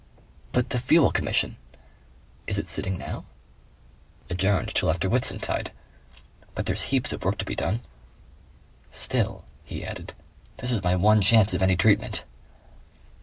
"But the Fuel Commission?" "Is it sitting now?" "Adjourned till after Whitsuntide. But there's heaps of work to be done. "Still," he added, "this is my one chance of any treatment."